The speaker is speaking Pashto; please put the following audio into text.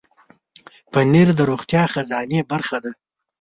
پنېر د روغتیا خزانې برخه ده.